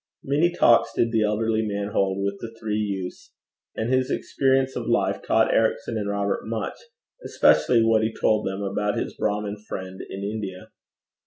Many talks did the elderly man hold with the three youths, and his experience of life taught Ericson and Robert much, especially what he told them about his Brahmin friend in India.